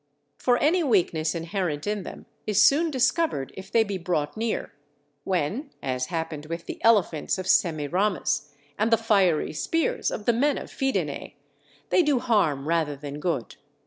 For any weakness inherent in them is soon discovered if they be brought near, when, as happened with the elephants of Semiramis and the fiery spears of the men of Fidenae, they do harm rather than good.